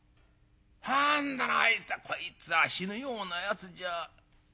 変だなあいつはこいつは死ぬようなやつじゃ。